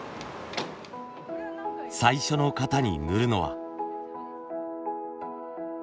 最初の型に塗るのは。